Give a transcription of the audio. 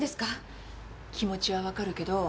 気持ちは分かるけど。